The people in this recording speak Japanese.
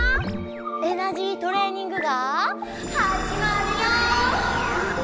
「エナジートレーニング」がはじまるよ！